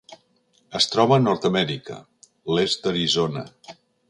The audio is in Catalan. Es troba a Nord-amèrica: l'est d'Arizona.